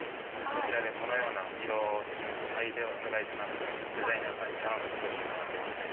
こちらでこのような色をお願いしますとデザイナーに頼んで作ってもらってますね。